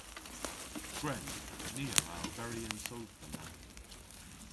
Gwren. Ni a wra oberi y'n sodhva na.